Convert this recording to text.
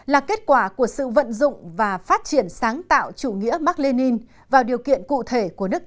là kết quả của sự vận dụng và phát triển sáng tạo chủ nghĩa mark lenin vào điều kiện cụ thể